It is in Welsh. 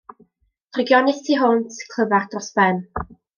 Drygionus tu hwnt; clyfar dros ben.